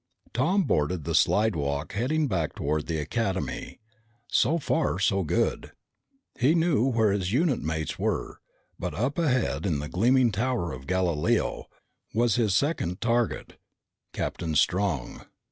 Tom boarded the slidewalk heading back toward the Academy. So far, so good. He knew where his unit mates were, but up ahead, in the gleaming Tower of Galileo, was his second target, Captain Strong.